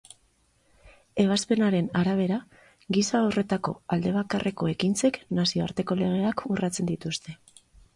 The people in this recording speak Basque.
Ebazpenaren arabera, gisa horretako aldebakarreko ekintzek nazioarteko legeak urratzen dituzte.